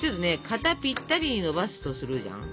型ぴったりにのばすとするじゃん？